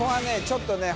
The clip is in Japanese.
ちょっとね